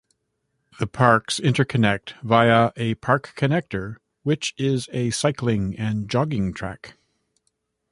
The parks interconnect via a park connector which is a cycling and jogging track.